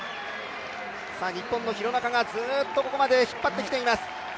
日本の廣中がずっとここまで引っ張ってきています